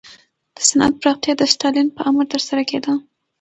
د صنعت پراختیا د ستالین په امر ترسره کېده.